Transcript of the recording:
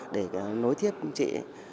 để nối tiếp với chị